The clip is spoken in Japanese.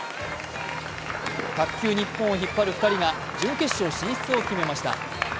卓球ニッポンを引っ張る２人が準決勝進出を決めました。